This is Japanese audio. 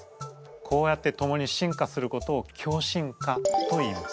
こうやって共に進化することを共進化といいます。